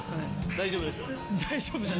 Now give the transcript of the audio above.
大丈夫ですよ。